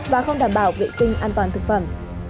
và không đảm bảo vệ sinh an toàn thực phẩm